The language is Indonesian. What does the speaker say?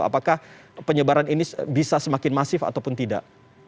apakah penyebaran ini bisa semakin masif ataupun tidak